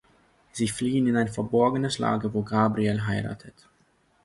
Sie fliehen in ein verborgenes Lager, wo Gabriel heiratet.